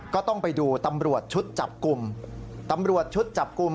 ก็ต้องไปดูตำรวจชุดจับกลุ่มตำรวจชุดจับกลุ่ม